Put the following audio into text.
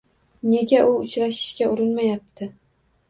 Nega u uchrashishga urinmayapti